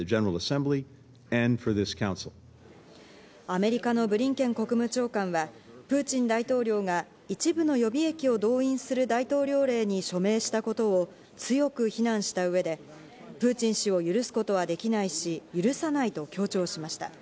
アメリカのブリンケン国務長官はプーチン大統領が一部の予備役を動員する大統領令に署名したことを強く非難した上で、プーチン氏を許すことはできないし許さないと強調しました。